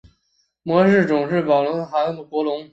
模式种是宝城韩国龙。